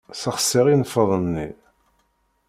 Ssexsiɣ infed-nni.